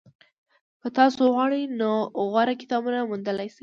که تاسو وغواړئ نو غوره کتابونه موندلی شئ.